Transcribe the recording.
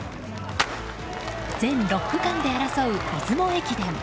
全６区間で争う出雲駅伝。